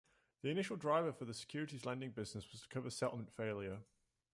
The initial driver for the securities lending business was to cover settlement failure.